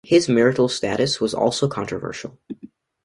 His marital status was also controversial.